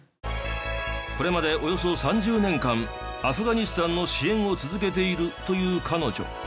これまでおよそ３０年間アフガニスタンの支援を続けているという彼女。